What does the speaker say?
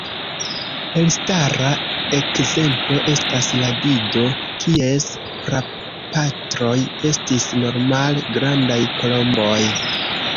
Elstara ekzemplo estas la dido, kies prapatroj estis normal-grandaj kolomboj.